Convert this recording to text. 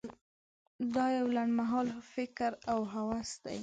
دا یو لنډ مهاله فکر او هوس دی.